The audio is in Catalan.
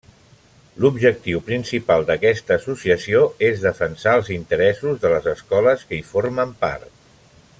L'objectiu principal d'aquesta associació és defensar els interessos de les escoles que hi formen part.